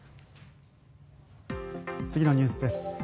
次のニュースです。